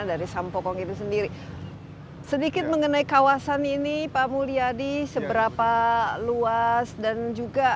dari sampokong itu sendiri sedikit mengenai kawasan ini pak mulyadi seberapa luas dan juga